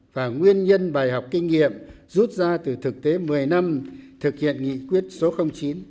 và nguyên nhân bài học kinh nghiệm rút ra từ thực tế một mươi năm thực hiện nghị quyết số chín